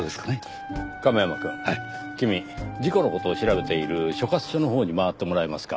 亀山くん君事故の事を調べている所轄署のほうに回ってもらえますか。